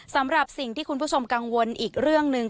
สำหรับสิ่งที่คุณผู้ชมกังวลอีกเรื่องหนึ่ง